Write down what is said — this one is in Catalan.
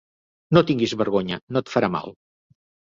No tinguis vergonya, no et farà mal.